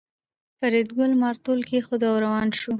فریدګل مارتول کېښود او روان شو